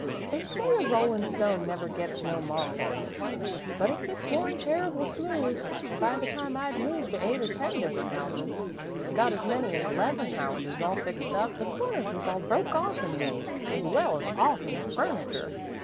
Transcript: "They say a rollin' stone never gets no moss on it, but it gets worn terrible smooth, an' by the time I 'd moved to eight or ten different towns an' got as many as 'leven houses all fixed up, the corners was all broke off 'n me as well as off 'n the furniture.